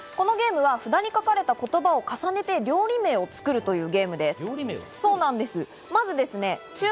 このゲームは札に書かれた言葉を重ねて料理名を作るというゲームです。